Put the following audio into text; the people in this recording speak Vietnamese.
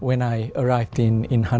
nhưng đối với điều khác